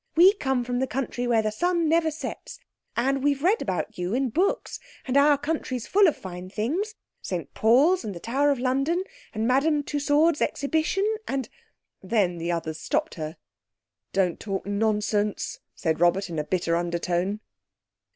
We come from the country where the sun never sets, and we've read about you in books; and our country's full of fine things—St Paul's, and the Tower of London, and Madame Tussaud's Exhibition, and—" Then the others stopped her. "Don't talk nonsense," said Robert in a bitter undertone.